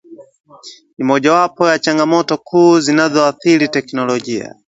Ni mojawapo ya changamoto kuu zinazoathiri teknolojia